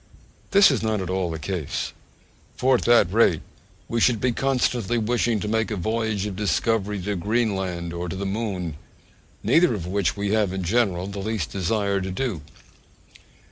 This is not at all the case; for at that rate we should be constantly wishing to make a voyage of discovery to Greenland or to the Moon, neither of which we have, in general, the least desire to do.